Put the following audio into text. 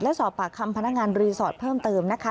และสอบปากคำพนักงานรีสอร์ทเพิ่มเติมนะคะ